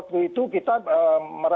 gatis banget dan moment macanya muncul